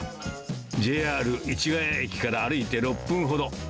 ＪＲ市ケ谷駅から歩いて６分ほど。